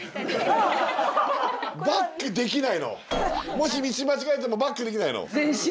もし道間違えてもバックできないの？